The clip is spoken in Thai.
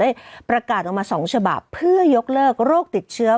ประกาศออกมา๒ฉบับเพื่อยกเลิกโรคติดเชื้อ